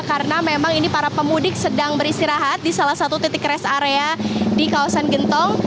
karena memang ini para pemudik sedang beristirahat di salah satu titik rest area di kawasan gentong